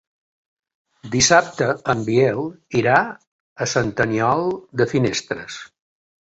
Dissabte en Biel irà a Sant Aniol de Finestres.